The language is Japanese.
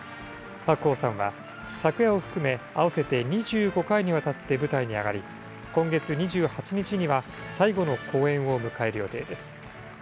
白鸚さんは昨夜を含め合わせて２５回にわたって舞台に上がり、今月２８日には最後の公演を迎える予定です。